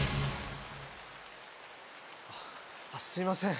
あっすいません